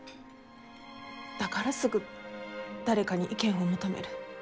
だからすぐ誰かに意見を求める。